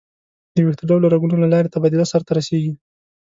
د ویښته ډوله رګونو له لارې تبادله سر ته رسېږي.